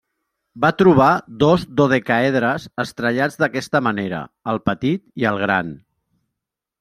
Va trobar dos dodecàedres estrellats d'aquesta manera, el petit i el gran.